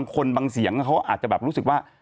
บางเสียงเขาอาจจะแบบรู้สึกว่า